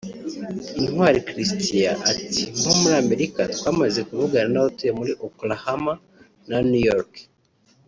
Intwali Christian ati “Nko muri Amerika twamaze kuvugana n’abatuye muri Oklahoma na New York